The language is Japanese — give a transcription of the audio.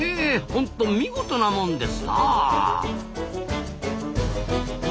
ほんと見事なもんですなあ。